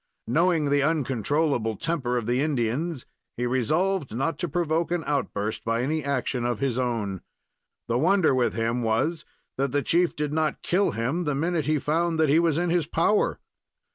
Knowing the uncontrollable temper of the Indians, he resolved not to provoke an outburst by any action of his own. The wonder with him was, that the chief did not kill him the minute he found that he was in his power.